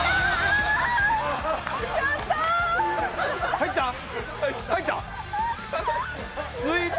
入った？